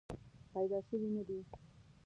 پیدا شوې نه دي.